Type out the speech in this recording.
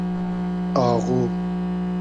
آغو